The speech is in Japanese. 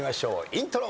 イントロ。